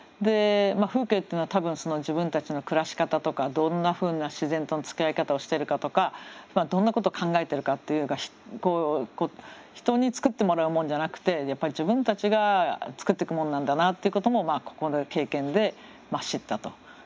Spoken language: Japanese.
風景っていうのは多分その自分たちの暮らし方とかどんなふうな自然とのつきあい方をしてるかとかどんなことを考えてるかっていうのが人に作ってもらうもんじゃなくてやっぱり自分たちが作っていくものなんだなっていうこともここの経験で知ったと。